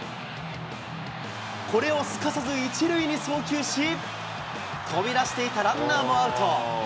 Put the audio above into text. これをすかさず１塁に送球し、飛び出していたランナーもアウト。